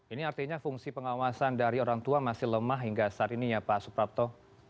ini artinya fungsi pengawasan dari orang tua masih lemah hingga saat ini ya pak suprapto